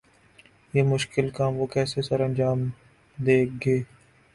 یہ مشکل کام وہ کیسے سرانجام دیں گے؟